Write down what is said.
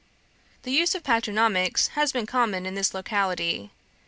"The use of patronymics has been common in this locality.